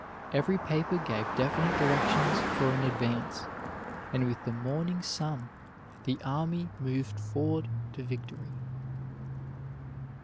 Every paper gave definite directions for an advance, and with the morning sun the army moved forward to victory.